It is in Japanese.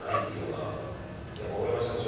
やっぱ大山社長